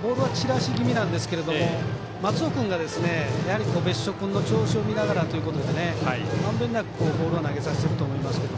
ボールは散らし気味なんですけど松尾君が別所君の調子を見ながらということでまんべんなくボールを投げさせてると思いますけど。